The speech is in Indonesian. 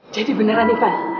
jadi beneran ivan